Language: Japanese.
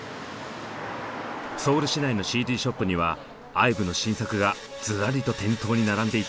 ソウル市内のＣＤショップにはＩＶＥの新作がずらりと店頭に並んでいた。